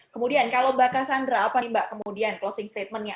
kemudian kalau mbak sandra apa nih mbak kemudian closing statement nya